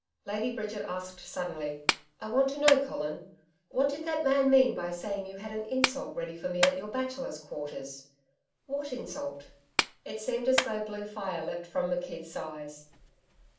Lady Bridget asked suddenly: 'I want to know, Colin what did that man mean by saying you had an insult ready for me at your Bachelor's Quarters? What insult?' It seemed as though blue fire leaped from McKeith's eyes.